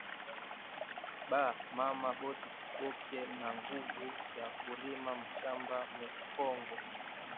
Ba mama bote beko na nguvu ya kurima mashamba mu kongo